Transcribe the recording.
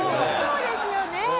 そうですよね。